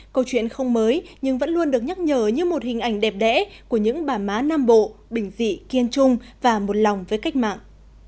câu chuyện không mới nhưng vẫn luôn được nhắc nhở như một hình ảnh đẹp đẽ của những bà má nam bộ bình dị kiên trung và một lòng với cách mạng